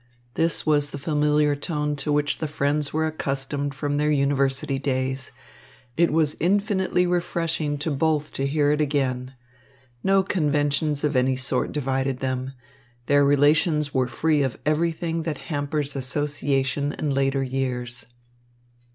This was the familiar tone to which the friends were accustomed from their university days. It was infinitely refreshing to both to hear it again. No conventions of any sort divided them. Their relations were free of everything that hampers association in later years.